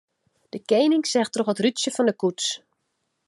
De koaning seach troch it rútsje fan de koets.